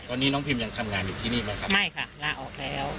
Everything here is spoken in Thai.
ตอนนี้น้องพิมยังทำงานอยู่ที่นี่ไหมครับไม่ค่ะลาออกแล้ว